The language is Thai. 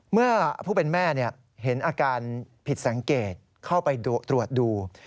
เมื่อผู้เป็นแม่เห็นอาการผิดสังเกตเข้าไปตรวจดู